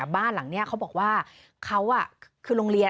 บ้านหลังนี้เขาบอกว่าเขาคือโรงเรียน